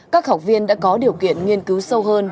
các học viên đã có điều kiện nghiên cứu sâu hơn